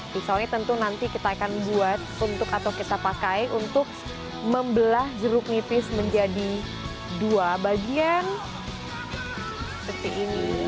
pisaunya tentu nanti kita akan buat untuk atau kita pakai untuk membelah jeruk nipis menjadi dua bagian seperti ini